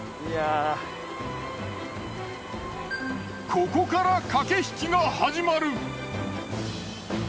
ここから駆け引きが始まる。